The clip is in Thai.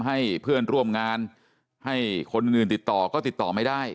ให้เพื่อนร่วมงานให้คนอื่นติดต่อก็ติดต่อไม่ได้